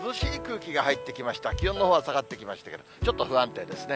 気温のほうは下がってきましたけど、ちょっと不安定ですね。